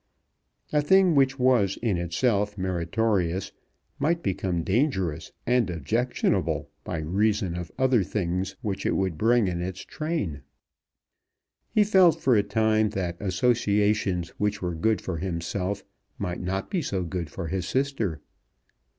A thing which was in itself meritorious might become dangerous and objectionable by reason of other things which it would bring in its train. He felt for a time that associations which were good for himself might not be so good for his sister.